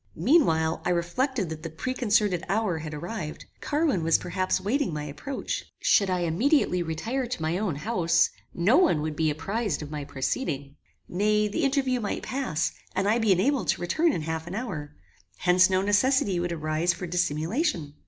Meanwhile I reflected that the preconcerted hour had arrived. Carwin was perhaps waiting my approach. Should I immediately retire to my own house, no one would be apprized of my proceeding. Nay, the interview might pass, and I be enabled to return in half an hour. Hence no necessity would arise for dissimulation.